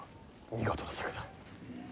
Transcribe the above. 見事な策だ。